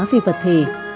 vì vật thể